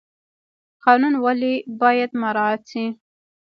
قانون ولې باید مراعات شي؟